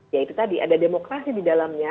ya itu tadi ada demokrasi di dalamnya